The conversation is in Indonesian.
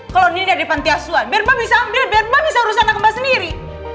kalau nindy ada di pantai asuhan biar mbak bisa ambil biar mbak bisa urusin anak mbak sendiri